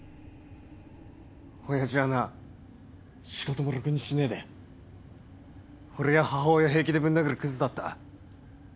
親父はな仕事もろくにしねえで俺や母親平気でぶん殴るクズだった。